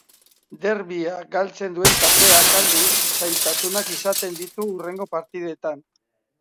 Derbia galtzen duen taldeak, aldiz, zailtasunak izaten ditu hurrengo partidetan.